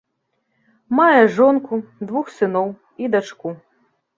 Мае жонку, двух сыноў і дачку.